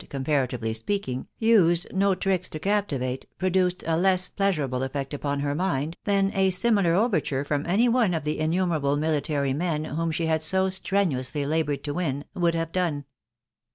paratively speaking) used no tricks to captivate, produced a less pleas arable eflfect upon her mind, than a similar overture from any one of the innumerable military men whom she &*tf so strenuously laboured to win, would have done.